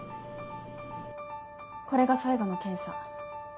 これが最後の検査。